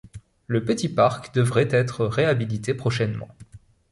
Le petit parc devrait être réhabilité prochainement.